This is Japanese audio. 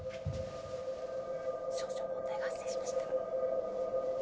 少々問題が発生しました。